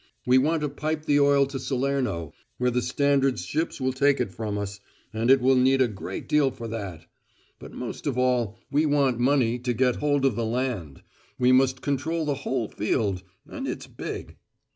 We want to pipe the oil to Salerno, where the Standard's ships will take it from us, and it will need a great deal for that. But most of all we want money to get hold of the land; we must control the whole field, and it's big!"